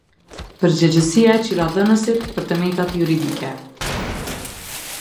Përgjegjësia e qiradhënësit për të metat juridike.